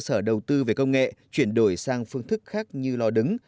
cơ sở đầu tư về công nghệ chuyển đổi sang phương thức khác như lò đứng